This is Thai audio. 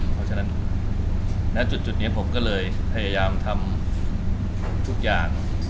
เพราะฉะนั้นณจุดนี้ผมก็เลยพยายามทำทุกอย่าง